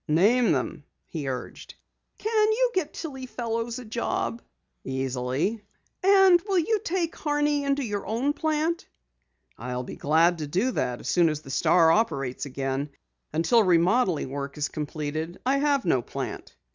"Name them," he urged. "Can you get Tillie Fellows a job?" "Easily." "And will you take Horney into your own plant?" "I'll be glad to do it as soon as the Star operates again. Until remodeling work is completed I have no plant."